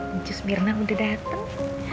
ancus mirna udah dateng